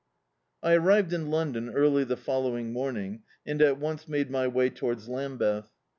I arrived in London early the following morning, and at cmce made my way towards Lambeth.